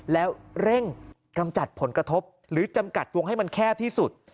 แล้วเร่งกำจัดผลกระทบหรือจำกัดวงให้มันแคบที่สุด